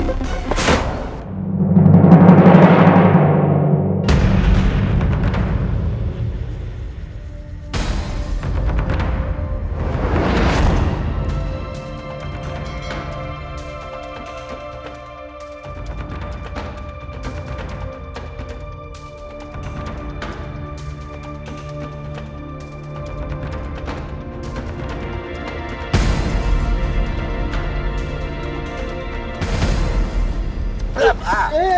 maik maik sorry banget